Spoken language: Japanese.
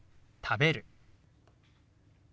「食べる」。